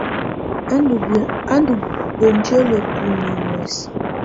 Á ndɔ́ biǝ́njǝ́li kúmiǝ́ muɛsɛ.